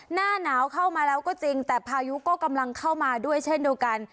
หน้าหนาวเข้ามาแล้วก็จริงแต่พายุก็กำลังเข้ามาด้วยเช่นเดียวกัน